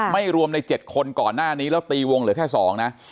ไม่รวมใน๗คนก่อนหน้านี้แล้วตีวงเหลือแค่๒นะ